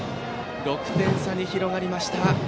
６点差に広がりました。